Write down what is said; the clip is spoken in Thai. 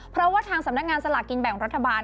เพราะว่าทางสำนักงานสลากกินแบ่งรัฐบาล